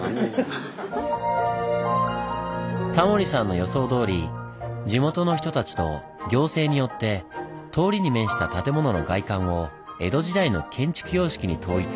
タモリさんの予想どおり地元の人たちと行政によって通りに面した建物の外観を江戸時代の建築様式に統一。